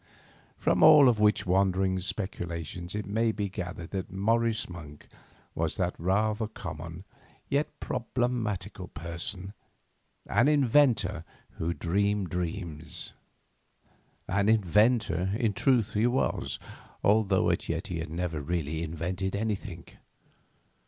From all of which wandering speculations it may be gathered that Morris Monk was that rather common yet problematical person, an inventor who dreamed dreams. An inventor, in truth, he was, although as yet he had never really invented anything.